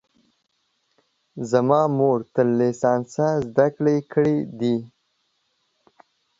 زما مور تر لیسانسه زده کړې کړي دي